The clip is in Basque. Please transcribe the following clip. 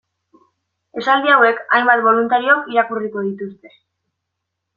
Esaldi hauek hainbat boluntariok irakurriko dituzte.